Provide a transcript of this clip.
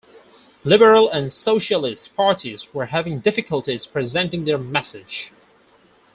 Liberal and socialist parties were having difficulties presenting their message.